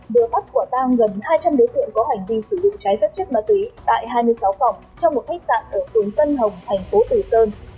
vừa bắt quả tang gần hai trăm linh đối tượng có hành vi sử dụng trái phép chất ma túy tại hai mươi sáu phòng trong một khách sạn ở phường tân hồng thành phố từ sơn